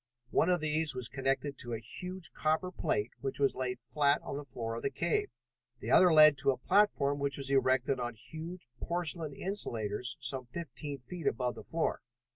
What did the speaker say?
One of these was connected to a huge copper plate which was laid flat on the floor of the cave. The other led to a platform which was erected on huge porcelain insulators some fifteen feet above the floor.